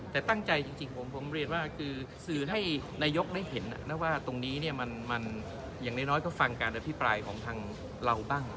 แต่ตั้งใจจริงผมเรียนว่าคือสื่อให้นายกได้เห็นนะว่าตรงนี้มันอย่างน้อยก็ฟังการอภิปรายของทางเราบ้าง